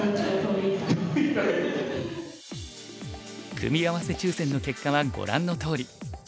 組み合わせ抽選の結果はご覧のとおり。